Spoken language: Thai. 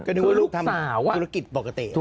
คือลูกสาวอ่ะธุรกิจปกติถูก